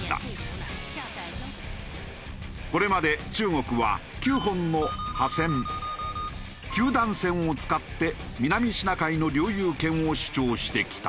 これまで中国は９本の破線九段線を使って南シナ海の領有権を主張してきた。